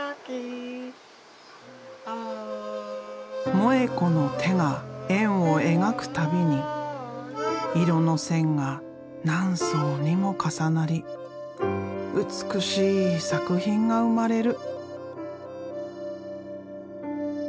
萌子の手が円を描く度に色の線が何層にも重なり美しい作品が生まれる。